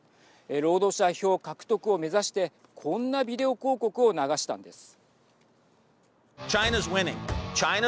労働者票獲得を目指してこんなビデオ広告を流したんです。